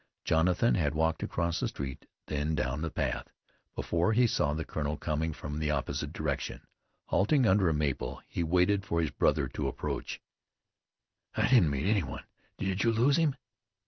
Jonathan had walked across the street then down the path, before he saw the colonel coming from the opposite direction. Halting under a maple he waited for his brother to approach. "I didn't meet any one. Did you lose him?"